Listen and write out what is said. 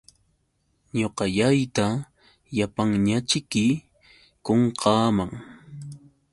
Ñuqallayta llapanñaćhiki qunqaaman.